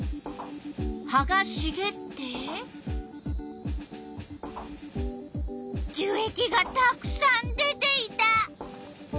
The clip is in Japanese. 葉がしげって樹液がたくさん出ていた。